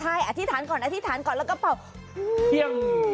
ใช่อธิษฐานก่อนอธิษฐานก่อนแล้วก็เป่าเคียง